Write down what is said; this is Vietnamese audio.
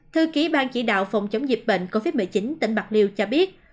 thư ký ban chỉ đạo phòng chống dịch bệnh covid một mươi chín tỉnh bạc liêu cho biết